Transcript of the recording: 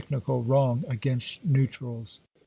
nical wrong against neutrals."